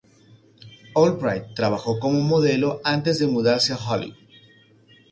Albright trabajó como modelo antes de mudarse a Hollywood.